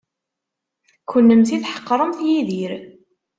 Kennemti tḥeqremt Yidir.